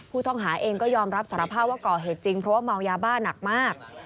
ผู้ต้องหาเองก็ยอมรับสารภาพว่าก่อเหตุจริงเพราะว่าเมายาบ้าหนักมาก